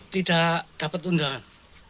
tidak dapat undangan